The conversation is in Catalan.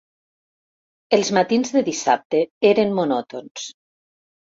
Els matins de dissabte eren monòtons.